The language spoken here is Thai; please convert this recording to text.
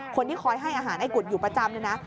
คนที่คอยให้อาหารไอ้กุฎอยู่ประจำเนี่ยนะ